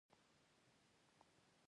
ایا زه باید د چربي ټسټ وکړم؟